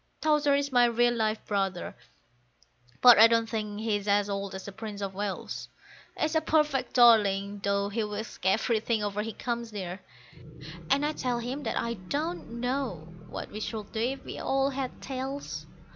Towser is my real live brother, but I don't think he's as old as the Prince of Wales; He's a perfect darling, though he whisks everything over he comes near, and I tell him I don't know what we should do if we all had tails.